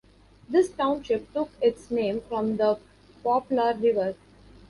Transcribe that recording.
This township took its name from the Poplar River.